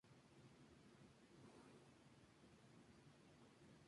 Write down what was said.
Keep watching.